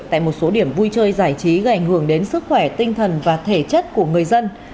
tại một số điểm vui chơi giải trí gây ảnh hưởng đến sức khỏe tinh thần và thể chất của người dân